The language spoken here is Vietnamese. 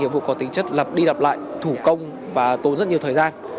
nhiệm vụ có tính chất đi đập lại thủ công và tốn rất nhiều thời gian